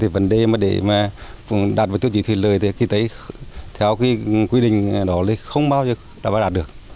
vấn đề mà để đạt được tiêu chí thủy lợi thì kỳ tế theo quy định đó không bao giờ đảm bảo đạt được